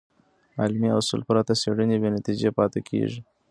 علمي اصول پرته څېړنې بېنتیجه پاتې کېږي.